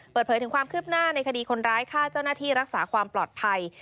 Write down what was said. เปิดเผยถึงความคืบหน้าในคดีคนร้ายฆ่าเจ้าหน้าที่รักษาความปลอดภัย